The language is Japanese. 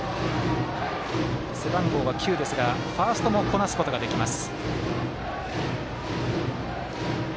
背番号は９ですが、ファーストもこなすことができます。